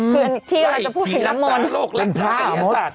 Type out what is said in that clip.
คือที่เราจะพูดเหลือมนปีภาพหรอมนตร์